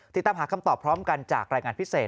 ติดตามหาคำตอบพร้อมกันจากรายงานพิเศษ